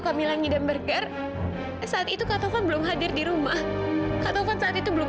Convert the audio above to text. kamu lagi dan burger saat itu kata belum hadir di rumah kata saat itu belum